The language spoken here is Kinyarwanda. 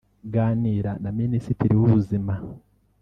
ganira na Minisitiri w’ubuzima